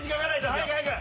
早く早く！